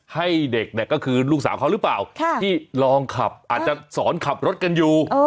ให้เด็กเนี่ยก็คือลูกสาวเขาหรือเปล่าที่ลองขับอาจจะสอนขับรถกันอยู่